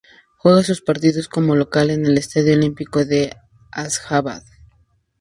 Juega sus partidos como local en el Estadio Olímpico de Asjabad.